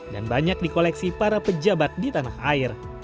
banyak di koleksi para pejabat di tanah air